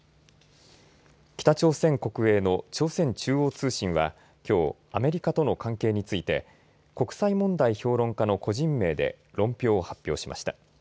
北朝鮮国営の朝鮮中央通信はきょうアメリカとの関係について国際問題評論家の個人名で論評を発表しました。